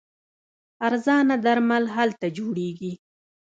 ارزانه درمل هلته جوړیږي.